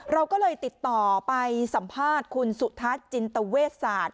เราก็เลยติดต่อไปสัมภาษณ์คุณสุทัศน์จินตเวชศาสตร์